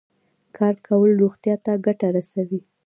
کار کول روغتیا ته ګټه رسوي.